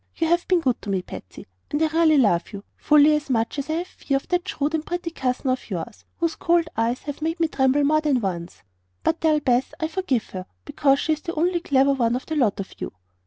"You have been good to me, Patsy, and I really love you fully as much as I have fear of that shrewd and pretty cousin of yours, whose cold eyes have made me tremble more than once. But tell Beth I forgive her, because she is the only clever one of the lot of you.